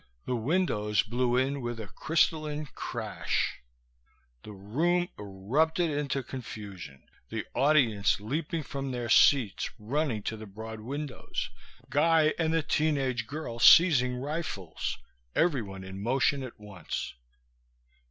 The windows blew in with a crystalline crash. The room erupted into confusion, the audience leaping from their seats, running to the broad windows, Guy and the teen age girl seizing rifles, everyone in motion at once.